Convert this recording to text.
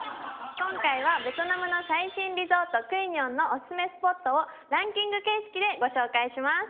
今回はベトナムの最新リゾートクイニョンのおすすめスポットをランキング形式でご紹介します